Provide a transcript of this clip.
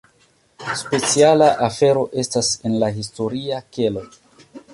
Speciala afero estas en la historia kelo.